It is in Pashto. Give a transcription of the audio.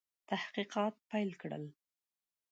تحقیقات پیل کړل.